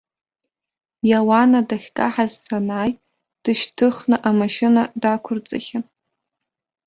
Иауана дахькаҳаз санааи, дышьҭыхны амашьына дақәырҵахьан.